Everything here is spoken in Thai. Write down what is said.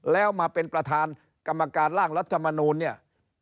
แล้วมาเป็นประธานกรรมการร่างรัฐมนูลเนี่ย